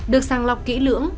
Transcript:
được sàng lọc kỹ lưỡng